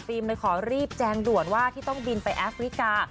เลยขอรีบแจ้งด่วนว่าที่ต้องบินไปแอฟริกา